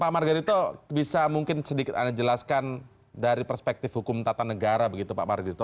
pak margerito bisa mungkin sedikit anda jelaskan dari perspektif hukum tata negara begitu pak mardito